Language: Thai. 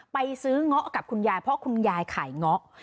ไปซื้อเงาะกับคุณยายเพราะคุณยายขายเงาะ